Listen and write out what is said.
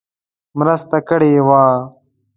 مرسته کړې وه.